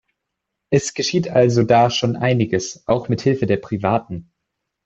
Es geschieht also da schon einiges, auch mit Hilfe der Privaten.